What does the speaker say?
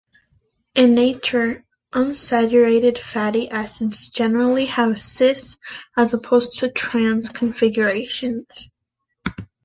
In nature, unsaturated fatty acids generally have "cis" as opposed to "trans" configurations.